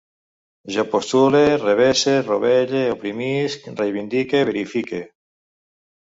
Jo postule, revesse, rovelle, oprimisc, reivindique, verifique